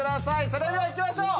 それではいきましょう。